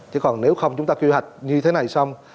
chứ còn nếu không chúng ta quy hoạch như thế này xong